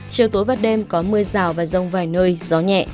chiều tối và đêm có mưa rào và rông vài nơi gió nhẹ